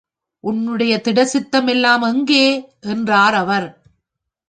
உன்னுடைய திடசித்தம் எல்லாம் எங்கே? என்றார் அவர்.